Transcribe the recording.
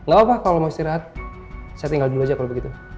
gak apa apa kalau mau istirahat saya tinggal dulu aja kalau begitu